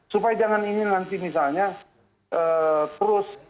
supaya jangan ini nanti misalnya terus